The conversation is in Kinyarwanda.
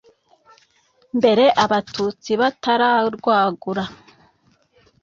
mbere abatutsi batararwagura,